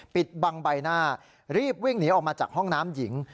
ปิดบังใบหน้ารีบวิ่งหนีออกมาจากห้องน้ำหญิง